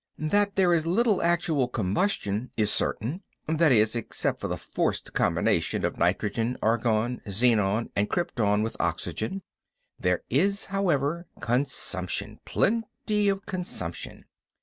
That there is little actual combustion is certain; that is, except for the forced combination of nitrogen, argon, xenon, and krypton with oxygen. There is, however, consumption: plenty of consumption.